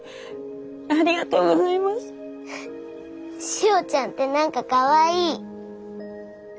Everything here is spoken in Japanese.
しおちゃんって何かかわいい！